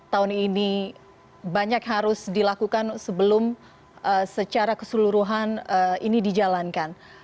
tahun ini banyak harus dilakukan sebelum secara keseluruhan ini dijalankan